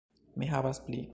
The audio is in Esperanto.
Mi havas pli